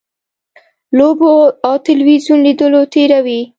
لوبو او تلویزیون لیدلو تېروي.